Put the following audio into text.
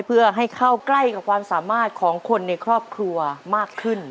เพื่อให้เข้าใกล้กับความสามารถของคนในครอบครัวมากขึ้น